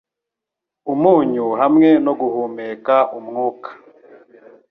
umunyu hamwe no guhumeka umwuka